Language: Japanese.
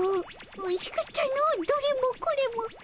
おいしかったのうどれもこれも。